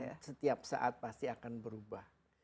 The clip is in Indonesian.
karena setiap saat pasti akan berubah